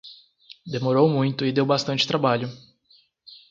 Demorou muito e deu bastante trabalho.